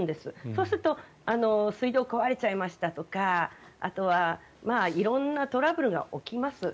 そうすると水道壊れちゃいましたとかあとは色んなトラブルが起きます。